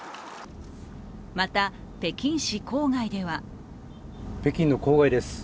また北京市郊外では北京の郊外です。